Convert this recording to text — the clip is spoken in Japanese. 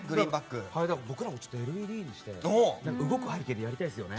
僕らもＬＥＤにして動く背景でやりたいですよね。